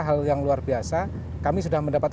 hal yang luar biasa kami sudah mendapat